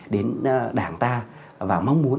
đến đảng ta và mong muốn